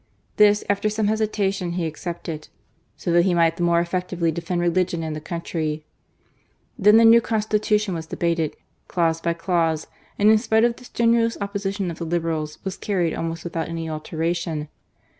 This, after some hesitation, he accepted, "so that he might the more effectively defend religion and the country." Then the new Consti tution was debated, clause by clause ; and in spite of the strenuous opposition of the Liberals, was carried almost without any alteration.